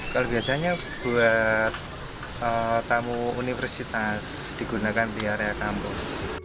kalau biasanya buat tamu universitas digunakan di area kampus